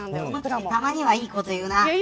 コムっち、たまにはいいこと言うな。